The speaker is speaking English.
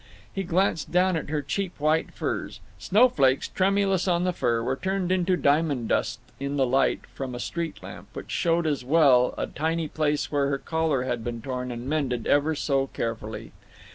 He glanced down at her cheap white furs. Snowflakes, tremulous on the fur, were turned into diamond dust in the light from a street lamp which showed as well a tiny place where her collar had been torn and mended ever so carefully.